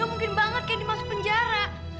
gak mungkin banget candy masuk penjara